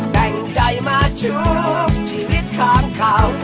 แปลงใจมาชุบชีวิตคามข่าว